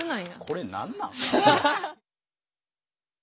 これ何なん？